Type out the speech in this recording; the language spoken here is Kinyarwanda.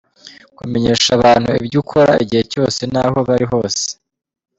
Kumenyesha abantu ibyo ukora igihe cyose n’aho bari hose.